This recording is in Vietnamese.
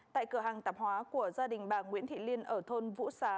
tại cửa hàng tạp hóa của gia đình bà nguyễn thị liên ở thôn vũ xá